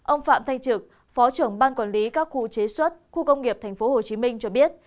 ông phạm thanh trực phó trưởng ban quản lý các khu chế xuất khu công nghiệp tp hcm cho biết